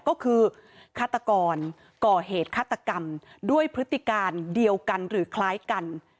ก็คือฆาตกรก่อเหตุฆาตกรรมด้วยพฤติการเดียวกันหรือคล้ายกัน